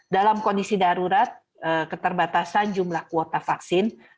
dalam kondisi darurat keterbatasan jumlah kuota vaksin